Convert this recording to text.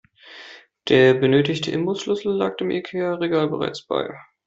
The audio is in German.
Der benötigte Imbusschlüssel lag dem Ikea-Regal bereits bei.